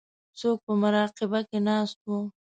څوک په مراقبه کې ناست وو.